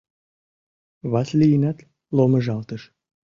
Васлийынат ломыжалтыш.